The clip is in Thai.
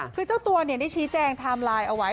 คือเจ้าตัวได้ชี้แจงไทม์ไลน์เอาไว้